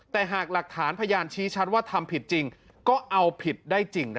แต่หากหลักฐานพยานชี้ชัดว่าทำผิดจริงก็เอาผิดได้จริง